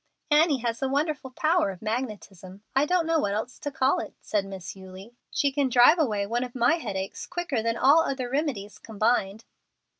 "Annie has a wonderful power of magnetism; I don't know what else to call it," said Miss Eulie. "She can drive away one of my headaches quicker than all other remedies combined."